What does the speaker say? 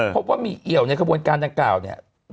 พบว่ามีเอี่ยวในขบวนการดังกล่าวเนี่ย